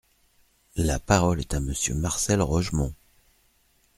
La parole est à Monsieur Marcel Rogemont.